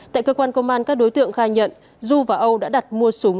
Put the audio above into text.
tại cơ quan công an các đối tượng khai nhận du và âu đã đặt mua súng